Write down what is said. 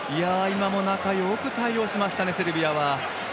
今も、中よく対応しました、セルビア。